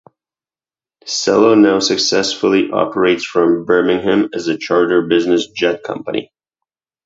Cello now successfully operates from Birmingham as a charter business jet company.